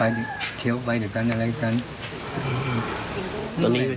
แล้วพาแฟนมาด้วยไหม